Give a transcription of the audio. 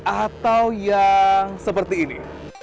atau yang seperti ini